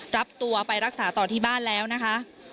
รับตัวไปรักษาต่อที่บ้านแล้วนะคะ